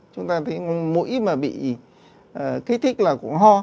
chúng ta thấy mũi mà bị kích thích là cũng ho